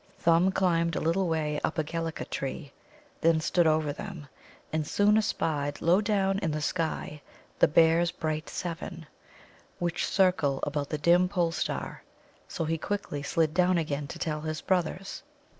Thumb climbed a little way up a Gelica tree that stood over them, and soon espied low down in the sky the Bear's bright Seven, which circle about the dim Pole Star. So he quickly slid down again to tell his brothers.